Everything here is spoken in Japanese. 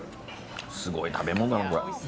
すごい食べ物だな。